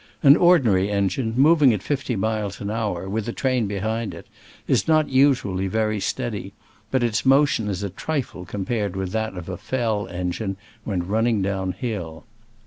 An ordinary engine, moving at fifty miles an hour, with a train behind it, is not usually very steady, but its motion is a trifle compared with that of a Fell engine when running down hill.